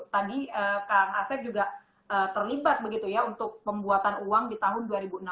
tadi kang asep juga terlibat begitu ya untuk pembuatan uang di tahun dua ribu enam belas